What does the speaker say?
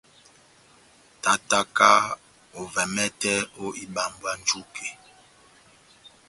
Tátáka ovɛ mɛtɛ ó ibambwa njuke.